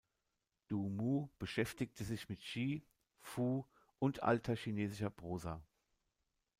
Du Mu beschäftigte sich mit Shi, Fu und alter chinesischer Prosa.